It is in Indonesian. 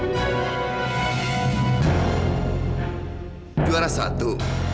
kamu juara satu